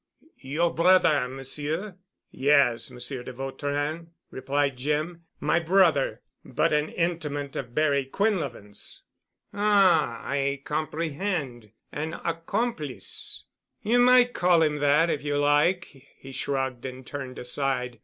"Your brother, Monsieur——?" "Yes, Monsieur de Vautrin," replied Jim, "my brother—but an intimate of Barry Quinlevin's——" "Ah, I comprehend—an accomplice?" "You might call him that—if you like." He shrugged and turned aside.